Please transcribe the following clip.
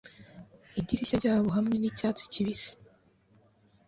Idirishya ryabo hamwe nicyatsi kibisi